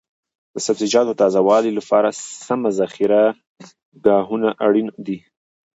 د سبزیجاتو تازه والي لپاره سمه ذخیره ګاهونه اړین دي.